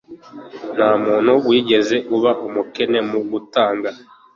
nta muntu wigeze aba umukene mu gutanga